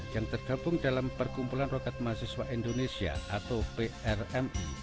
yang tergabung dalam perkumpulan roket mahasiswa indonesia atau prmi